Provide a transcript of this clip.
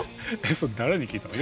それ誰に聞いたの？